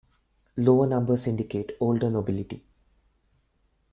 Lower numbers indicate older nobility.